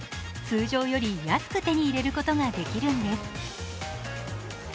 通常より安く手に入れることができるんです。